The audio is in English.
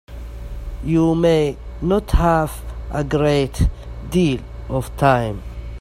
You may not have a great deal of time.